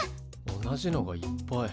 同じのがいっぱい。